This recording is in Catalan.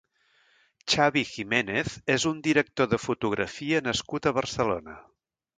Xavi Giménez és un director de fotografia nascut a Barcelona.